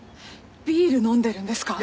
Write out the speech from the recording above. ビール飲んでるんですか？